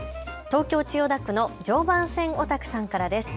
東京千代田区の常磐線オタクさんからです。